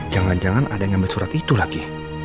jangan jangan ada yang ngambil surat itu lagi